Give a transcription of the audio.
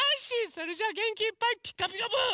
それじゃあげんきいっぱい「ピカピカブ！」